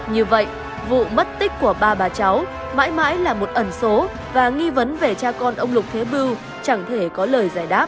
như vậy vụ mất tích của ba bà cháu mãi mãi là một ẩn số và nghi vấn về cha con ông lục thế bưu chẳng thể có lời giải đáp